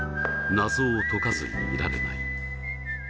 謎を解かずにいられない。